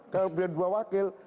kelebihan dua wakil